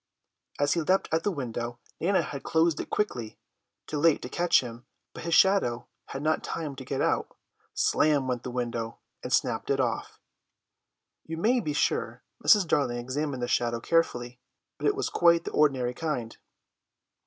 As he leapt at the window Nana had closed it quickly, too late to catch him, but his shadow had not had time to get out; slam went the window and snapped it off. You may be sure Mrs. Darling examined the shadow carefully, but it was quite the ordinary kind.